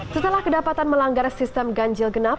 setelah kedapatan melanggar sistem ganjil genap